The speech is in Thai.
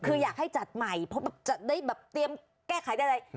คืออยากให้จัดใหม่ให้ก็จะได้แก้ไขได้